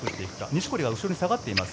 錦織、後ろに下がっています。